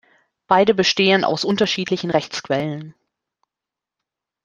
Beide bestehen aus unterschiedlichen Rechtsquellen.